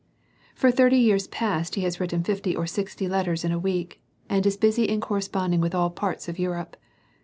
For thirty years past he has written fifty or sixty letters in a week, and is busy in corresponding with all parts of Europe.